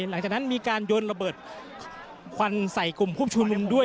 หลังจากนั้นมีการโยนระเบิดควันใส่กลุ่มผู้ชุมนุมด้วย